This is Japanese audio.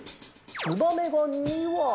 ツバメが２わ。